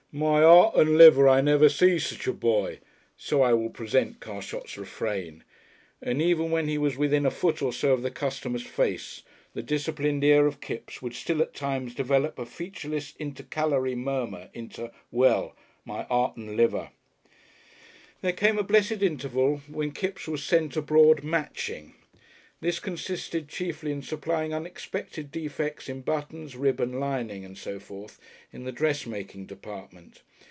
"My heart and lungs! I never see such a boy," so I present Carshot's refrain; and even when he was within a foot or so of the customer's face the disciplined ear of Kipps would still at times develop a featureless, intercalary murmur into well, "my heart and lungs!" There came a blessed interval when Kipps was sent abroad "matching." This consisted chiefly in supplying unexpected defects in buttons, ribbon, lining, and so forth in the dressmaking department.